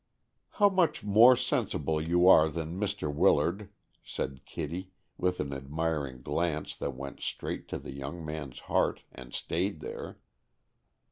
"How much more sensible you are than Mr. Willard," said Kitty, with an admiring glance that went straight to the young man's heart, and stayed there.